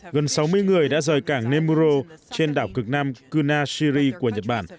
gần sáu mươi người đã rời cảng nemuro trên đảo cực nam kunashiri của nhật bản